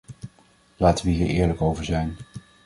Laten we hier eerlijk over zijn.